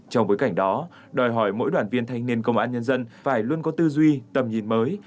trong bối cảnh đó đòi hỏi mỗi đoàn viên thanh niên công an nhân dân phải luôn có tư duy tầm nhìn mới